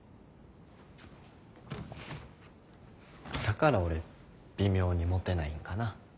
だから俺微妙にモテないんかな？